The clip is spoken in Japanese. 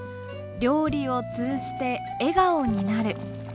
料理を通じて笑顔になる。